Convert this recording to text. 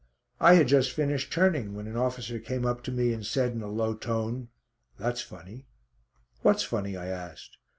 I had just finished turning, when an officer came up to me and said in a low tone: "That's funny." "What's funny?" I asked.